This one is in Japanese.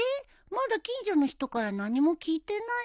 まだ近所の人から何も聞いてないの？